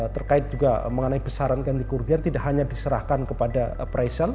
terkait juga mengenai besaran ganti kerugian tidak hanya diserahkan kepada preisal